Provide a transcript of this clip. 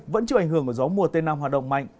vẫn chịu ảnh hưởng của gió mùa tây nam hoạt động mạnh